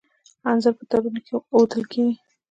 انځر په تارونو کې اوډل کیږي.